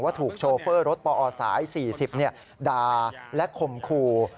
ถูกโชเฟอร์รถปอสาย๔๐ด่าและข่มขู่